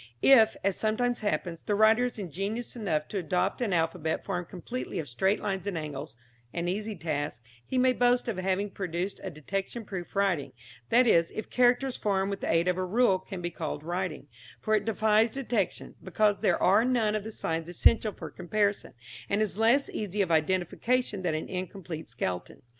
If, as sometimes happens, the writer is ingenious enough to adopt an alphabet formed completely of straight lines and angles an easy task he may boast of having produced a detection proof writing; that is, if characters formed with the aid of a rule can be called writing, for it defies detection, because there are none of the signs essential for comparison, and is less easy of identification than an incomplete skeleton.